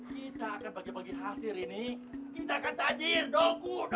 kita akan bagi bagi hasil ini kita akan tajir dong